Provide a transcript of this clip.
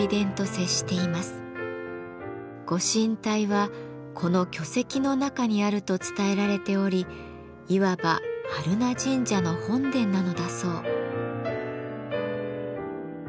ご神体はこの巨石の中にあると伝えられておりいわば榛名神社の本殿なのだそう。